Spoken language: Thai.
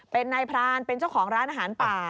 เป็นนายพรานเป็นเจ้าของร้านอาหารป่า